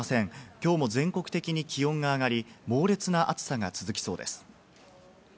きょうも全国的に気温が上がり、猛烈な暑さが続きそうです。